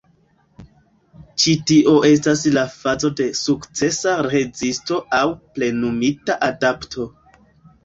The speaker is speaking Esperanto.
Ĉi tio estas la fazo de sukcesa rezisto aŭ „plenumita adapto.